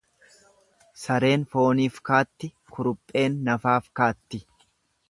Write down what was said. Sareen fooniif kaatti, kurupheen nafaaf kaatti.